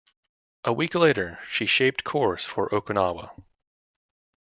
A week later, she shaped course for Okinawa.